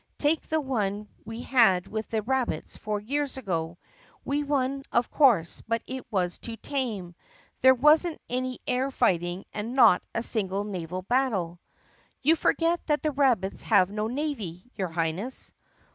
"Take the one we had with the rabbits four years ago. We won of course but it was too tame. There was n't any air fighting and not a single naval battle." "You forget that the rabbits have no navy, your Highness."